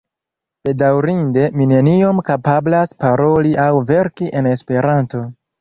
Bedaŭrinde mi neniom kapablas paroli aŭ verki en Esperanto.